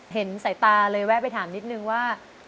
เห็นสายตาเลยแวะไปถามนิดนึงว่า